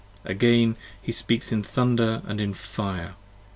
Again he speaks in thunder and in fire!